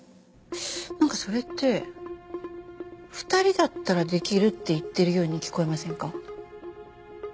なんかそれって２人だったらできるって言ってるように聞こえませんか？